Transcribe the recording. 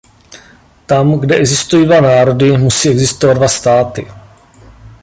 Tam, kde existují dva národy, musí existovat dva státy.